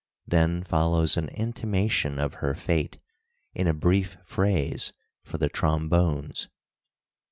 Then follows an intimation of her fate in a brief phrase for the trombones.